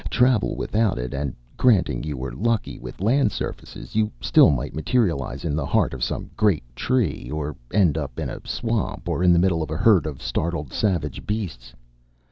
Travel without it and, granting you were lucky with land surfaces, you still might materialize in the heart of some great tree or end up in a swamp or the middle of a herd of startled, savage beasts.